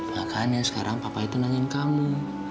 makanya sekarang papa itu nanyain kamu